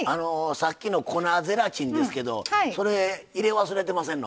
さっきの粉ゼラチンですけどそれ、入れ忘れてませんの？